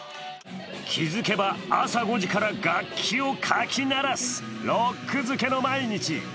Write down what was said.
気づけば朝５時から楽器をかき鳴らすロック漬けの毎日。